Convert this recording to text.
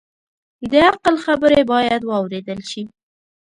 د عقل خبرې باید واورېدل شي